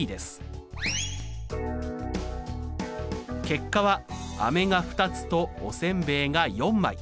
結果は飴が２つとおせんべいが４枚。